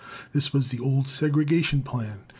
This was the old segregation plan.